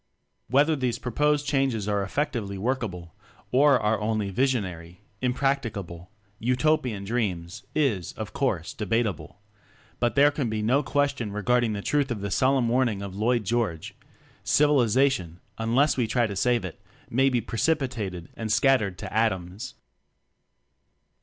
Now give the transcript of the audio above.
\Vhether these proposed changes are effectively workable or are only "visionary," "impracticable," "Utopian dreams," is, of course, debatable; but there can be no question regarding the truth of the solemn warning of Lloyd George: "Civilization, unless we try to save it, may be precipitated and scattered to atoms."